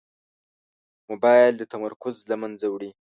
موبایل د تمرکز له منځه وړي.